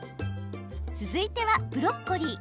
続いてはブロッコリー。